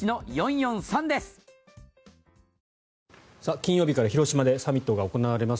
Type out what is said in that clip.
金曜日から広島でサミットが行われます。